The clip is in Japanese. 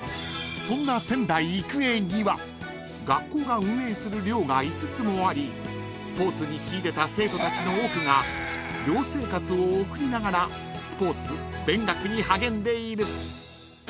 ［そんな仙台育英には学校が運営する寮が５つもありスポーツに秀でた生徒たちの多くが寮生活を送りながらスポーツ勉学に励んでいる］